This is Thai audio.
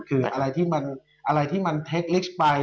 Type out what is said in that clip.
คืออะไรที่มันเทคลิกซ์ไป